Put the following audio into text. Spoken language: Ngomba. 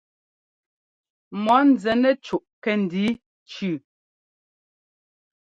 Mɔ̌ nzɛ nɛ cúʼ kɛ́ndǐ cʉʉ.